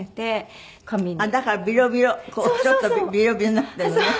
だからビロビロちょっとビロビロになってるのね。